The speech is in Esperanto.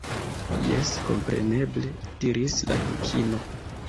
"Jes, kompreneble," diris la Dukino.